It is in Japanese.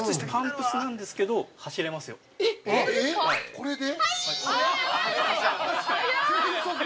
◆これで？